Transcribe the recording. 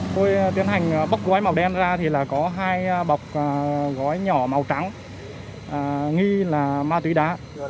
tôi tiến hành bóc gói màu đen ra thì là có hai bọc gói nhỏ màu trắng nghi là ma túy đá